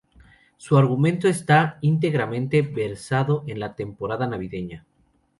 Su argumento está íntegramente versado en la temporada navideña.